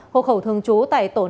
hộ khẩu thường trú tại tổ năm